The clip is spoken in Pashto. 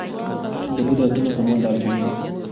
د بدو عادتونو کمول د هر چا هیله ده.